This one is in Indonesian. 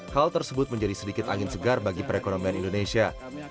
hal tersebut menjadi sedikit angin segar bagi perekonomian indonesia